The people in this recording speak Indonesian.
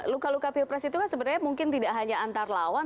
luka luka pilpres itu kan sebenarnya mungkin tidak hanya antar lawan